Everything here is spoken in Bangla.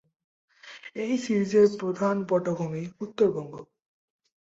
এই সিরিজের প্রধান পটভূমি উত্তরবঙ্গ।